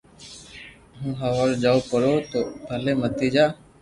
ھون ھوارو جاو پرو تو ڀلي متيجا